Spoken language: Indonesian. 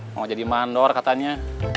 mau jadi mandor katanya